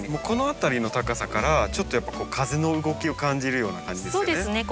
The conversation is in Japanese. この辺りの高さからちょっと風の動きを感じるような感じですよね。